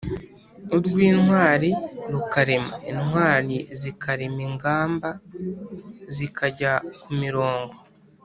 .Urw’intwari rukarema: Intwari zikarema ingamba(zikajya ku mirongo).